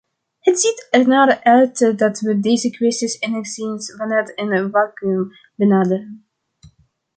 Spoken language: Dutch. Het ziet ernaar uit dat we deze kwesties enigszins vanuit een vacuüm benaderen.